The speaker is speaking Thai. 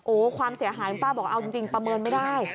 โอ้โหความเสียหายคุณป้าบอกเอาจริงประเมินไม่ได้